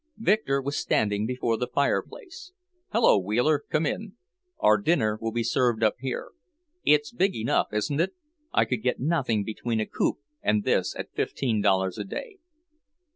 Victor was standing before the fireplace. "Hello, Wheeler, come in. Our dinner will be served up here. It's big enough, isn't it? I could get nothing between a coop, and this at fifteen dollars a day."